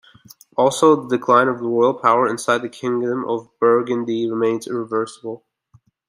Also, the decline of royal power inside the kingdom of Burgundy remained irreversible.